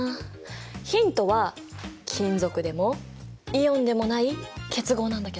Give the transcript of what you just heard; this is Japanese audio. ヒントは金属でもイオンでもない結合なんだけど。